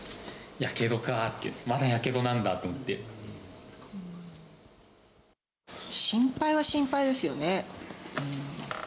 やけどか、まだやけどなんだ心配は心配ですよね。